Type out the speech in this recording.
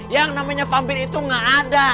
yang namanya pambin itu nggak ada